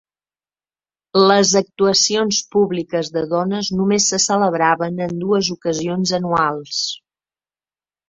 Les actuacions públiques de dones només se celebraven en dues ocasions anuals.